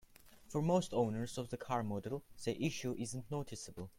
For most owners of the car model, the issue isn't noticeable.